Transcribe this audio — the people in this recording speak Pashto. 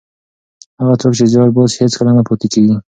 هغه څوک چې زیار باسي هېڅکله نه پاتې کېږي.